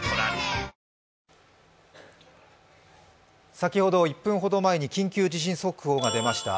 先ほど１分ほど前に緊急地震速報が出ました。